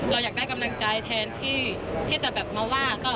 เราอยากได้กำนังใจเท่าที่จะมาว่า